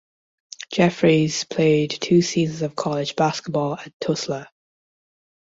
Jeffries played two seasons of college basketball at Tulsa.